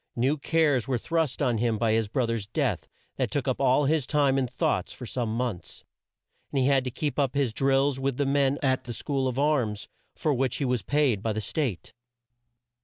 New cares were thrust on him by his bro ther's death, that took up all his time and thoughts for some months; and he had to keep up his drills with the men at the school of arms, for which he was paid by the State.